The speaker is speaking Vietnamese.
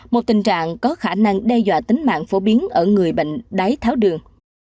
một tình trạng có khả năng đe dọa tính mạng phổ biến ở người bệnh đái tháo đường